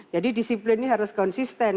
disiplin ini harus konsisten